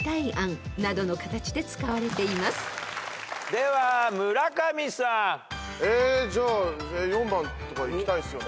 では村上さん。えじゃあ４番とかいきたいっすよね。